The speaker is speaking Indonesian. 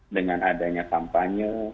dengan adanya kampanye